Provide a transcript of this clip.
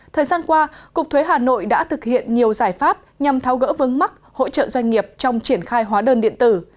thời gian qua cục thuế hà nội đã thực hiện nhiều giải pháp nhằm tháo gỡ vướng mắc hỗ trợ doanh nghiệp trong triển khai hóa đơn điện tử